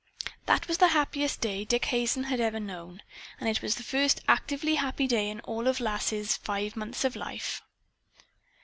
That was the happiest day Dick Hazen had ever known. And it was the first actively happy day in all Lass's five months of life.